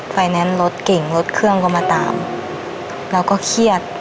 แนนซ์รถเก่งรถเครื่องก็มาตามเราก็เครียด